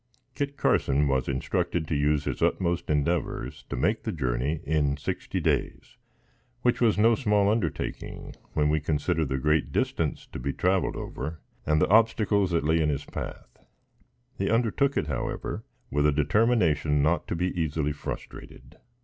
Kit Carson was instructed to use his utmost endeavors to make the journey in sixty days, which was no small undertaking, when we consider the great distance to be traveled over and the obstacles that lay in his path; he undertook it, however, with a determination not to be easily frustrated.